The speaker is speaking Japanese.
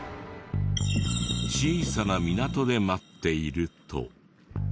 小さな港で待っていると。